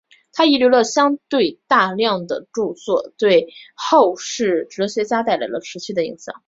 他遗留的相对大量的着作对后世哲学家带来了持续的影响。